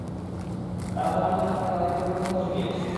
তারা তোমার জন্য তাকে অনেক কটু কথাও শুনিয়েছে।